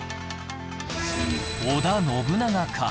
織田信長か？